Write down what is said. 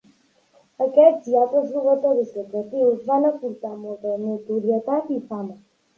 Aquests i altres robatoris lucratius van aportar molta notorietat i fama.